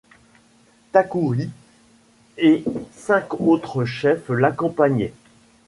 Takouri et cinq autres chefs l’accompagnaient.